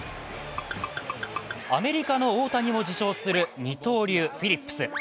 アメリカの大谷を自称する二刀流フィリップス。